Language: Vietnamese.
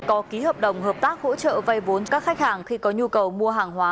có ký hợp đồng hợp tác hỗ trợ vay vốn các khách hàng khi có nhu cầu mua hàng hóa